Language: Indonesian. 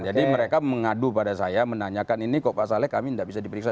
jadi mereka mengadu pada saya menanyakan ini kok pak saleh kami tidak bisa diperiksa